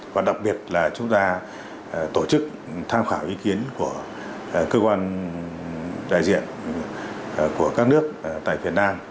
và đặc biệt là chúng ta tổ chức tham khảo ý kiến của cơ quan đại diện của các nước tại việt nam